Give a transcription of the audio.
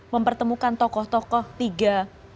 mempertemukan tokoh tokoh tiga